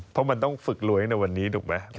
เพราะมันต้องฝึกรวยในวันนี้ถูกไหม